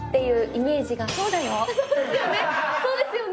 そうですよね